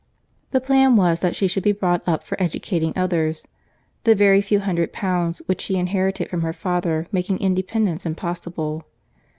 The plan was that she should be brought up for educating others; the very few hundred pounds which she inherited from her father making independence impossible.